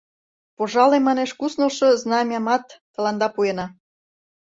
Пожале, манеш, куснылшо знамямат тыланда пуэна.